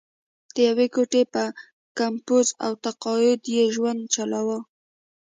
د یوې ګوتې پر کمپوز او تقاعد یې ژوند چلوله.